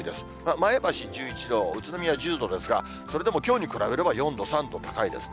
前橋１１度、宇都宮１０度ですが、それでもきょうに比べれば４度、３度、高いですね。